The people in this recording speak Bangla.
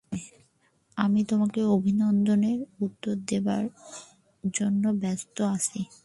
আমি তোমাদের অভিনন্দনের উত্তর দিবার জন্য ব্যস্ত আছি।